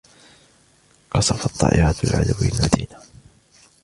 قصفت طائرات العدوّ المدينة.